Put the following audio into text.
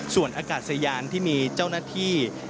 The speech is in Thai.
ส่วนอากาศยานที่มีเจ้าหน้าที่